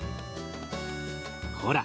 ほら。